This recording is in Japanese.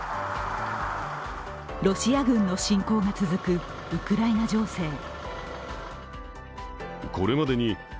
ロシア軍の侵攻が続くウクライナ情勢。